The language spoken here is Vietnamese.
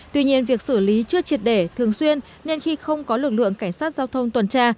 tuy nhiên việc xử lý chưa triệt để thường xuyên nên khi không có lực lượng cảnh sát giao thông tuần tra